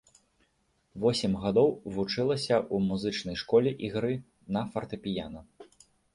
Восем гадоў вучылася ў музычнай школе ігры на фартэпіяна.